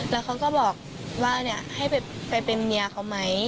แล้วเขาก็บอกว่าให้ไปเป็นเมียเขาไหม